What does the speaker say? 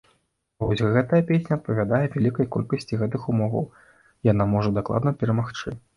А вось гэтая песня адпавядае вялікай колькасці гэтых умоваў, і яна можа дакладна перамагчы.